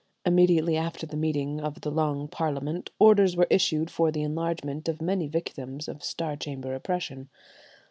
Immediately after the meeting of the Long Parliament, orders were issued for the enlargement of many victims of Star Chamber oppression.